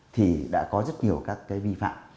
thì đã có rất nhiều các cái vi phạm